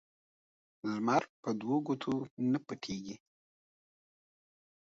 لمر په دوو گوتو نه پټېږي.